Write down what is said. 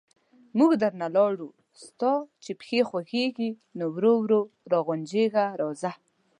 موږ درنه لاړو، ستا چې پښې خوګېږي، نو ورو ورو را غونجېږه راځه...